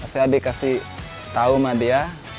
saya dikasih tahu sama dia